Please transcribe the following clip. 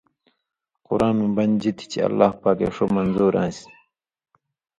قران مہ بَنژی تھی چےۡ اللہ پاکے ݜُو منظُور آن٘سیۡ